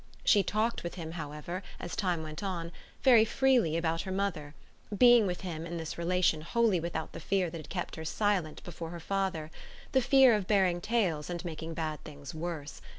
She talked with him, however, as time went on, very freely about her mother; being with him, in this relation, wholly without the fear that had kept her silent before her father the fear of bearing tales and making bad things worse.